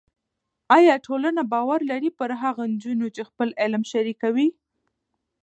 ایا ټولنه باور لري پر هغو نجونو چې خپل علم شریکوي؟